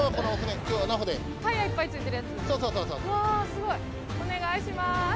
すごいお願いします。